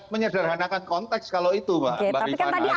menyederhanakan konteks kalau itu mbak rifana